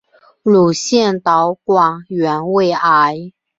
乳腺导管原位癌。